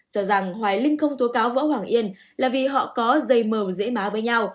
cho rằng hoài linh không tố cáo võ hoàng yên là vì họ có dây mờm dễ má